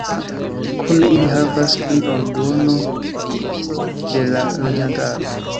Kune ili havas pli ol duono de la loĝantaro.